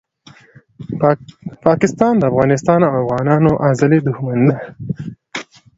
پاکستان دافغانستان او افغانانو ازلي دښمن ده